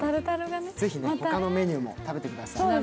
ぜひ、他のメニューも食べてみてください。